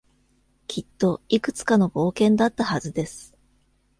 きっといくつかの冒険だったはずです。